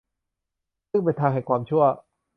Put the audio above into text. ซึ่งเป็นทางแห่งความชั่ว